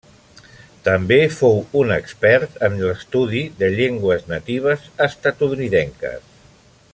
També fou un expert en l'estudi de llengües natives estatunidenques.